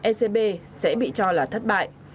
scb sẽ bị cho là thất bại